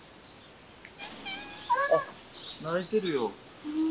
あっ鳴いてるよ。